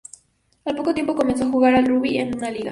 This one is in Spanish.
Al poco tiempo comenzó a jugar al rugby en una liga.